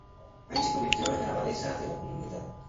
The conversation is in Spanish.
Allí se convirtió en la abadesa de la comunidad.